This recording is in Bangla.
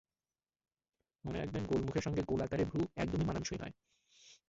মনে রাখবেন, গোল মুখের সঙ্গে গোল আকারের ভ্রু একদমই মানানসই নয়।